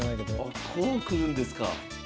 あこうくるんですか。